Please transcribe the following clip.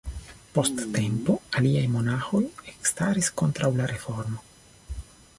Post tempo, aliaj monaĥoj ekstaris kontraŭ la reformo.